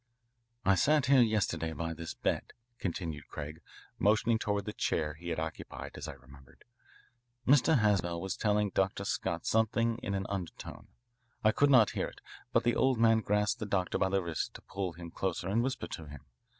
"I sat here yesterday by this bed," continued Craig, motioning toward the chair he had occupied, as I remembered. "Mr. Haswell was telling Dr. Scott something in an undertone. I could not hear it. But the old man grasped the doctor by the wrist to pull him closer to whisper to him.